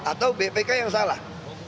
atau bpk yang salah